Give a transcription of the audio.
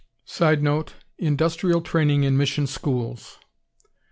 [Sidenote: Industrial training in mission schools.